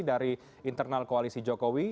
dari internal koalisi jokowi